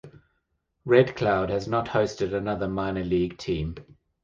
Red Cloud has not hosted another minor league team.